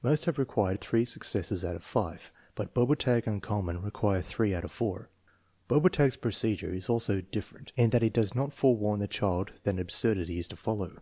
Most have required three successes out of five, but Bober tag and Kuhlmann require three out of four; Bobertag's procedure is also different in that he does not forewarn the child that an absurdity is to follow.